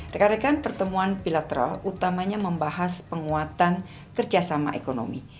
rekan rekan pertemuan bilateral utamanya membahas penguatan kerjasama ekonomi